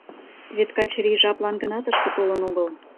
Вет Качырий жаплан гына тышке толын огыл.